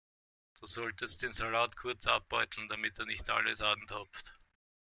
Du solltest den Salat kurz abbeuteln, damit er nicht alles antropft.